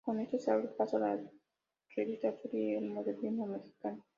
Con esto se abre paso a la "Revista Azul" y al modernismo mexicano.